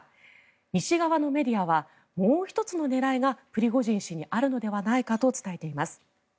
西側のメディアはもう１つの狙いがプリゴジン氏にあるのではないかと伝えています。